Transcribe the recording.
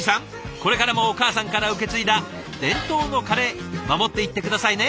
これからもお母さんから受け継いだ伝統のカレー守っていって下さいね。